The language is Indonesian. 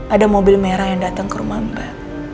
ada mobil merah yang datang ke rumah mbak